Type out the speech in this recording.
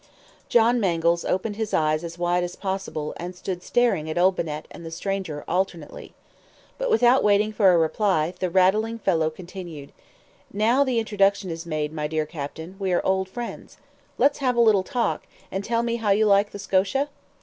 John Mangles opened his eyes as wide as possible, and stood staring at Olbinett and the stranger alternately. But without waiting for a reply, the rattling fellow continued: "Now the introduction is made, my dear captain, we are old friends. Let's have a little talk, and tell me how you like the SCOTIA?"